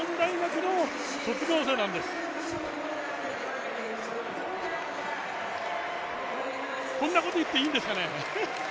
こんなこと言っていいんですかね？